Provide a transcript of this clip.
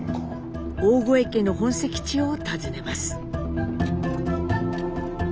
大峠家の本籍地を訪ねます。